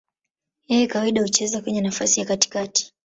Yeye kawaida hucheza kwenye nafasi ya katikati.